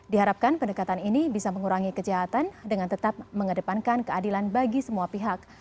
diharapkan pendekatan ini bisa mengurangi kejahatan dengan tetap mengedepankan keadilan bagi semua pihak